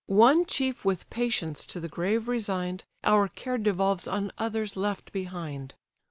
One chief with patience to the grave resign'd, Our care devolves on others left behind.